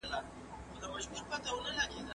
پوښتنې وکړئ که نه پوهېږئ.